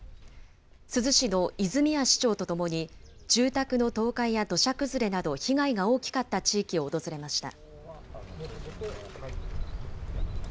珠洲市の泉谷市長と共に、住宅の倒壊や土砂崩れなど、被害が大きかった地域を訪れました。